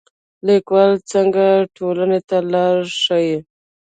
لیکوال څنګه ټولنې ته لار ښيي؟